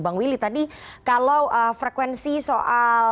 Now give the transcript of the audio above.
bang willy tadi kalau frekuensi soal